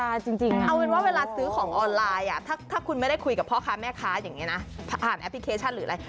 อันไลน์ถ้าคุณไม่ได้คุยกับพ่อค้าแม่ค้าอ่านแอพพลิเคชันหรืออะไร